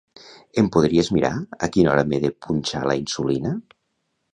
Em podries mirar a quina hora m'he de punxar la insulina?